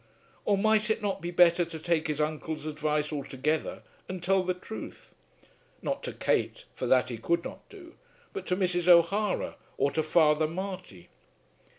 Or might it not be better to take his uncle's advice altogether and tell the truth, not to Kate, for that he could not do, but to Mrs. O'Hara or to Father Marty?